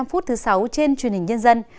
năm h bốn mươi năm thứ sáu trên truyền hình nhân dân